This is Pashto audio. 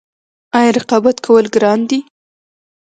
آیا رقابت کول ګران دي؟